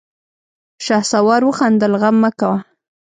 شهسوار وخندل: غم مه کوه!